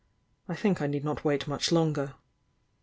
I think I need not wait much longer.